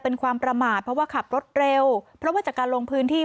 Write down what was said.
เป็นความประมาทเพราะว่าขับรถเร็วเพราะว่าจากการลงพื้นที่